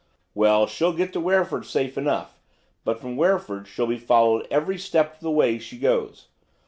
Well, she'll get to Wreford safe enough; but from Wreford she'll be followed every step of the way she goes.